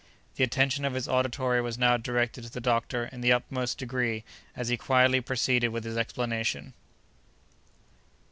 The attention of his auditory was now directed to the doctor in the utmost degree as he quietly proceeded with his explanation.